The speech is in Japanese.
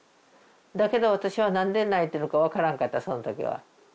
だけど私は何で泣いてるか分からんかったその時は。